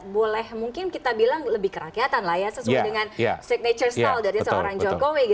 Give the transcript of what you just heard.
boleh mungkin kita bilang lebih kerakyatan lah ya sesuai dengan signature style dari seorang jokowi